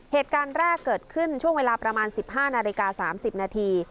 เหตุการณ์แรกเกิดขึ้นช่วงเวลาประมาณ๑๕นาฬิกา๓๐นาที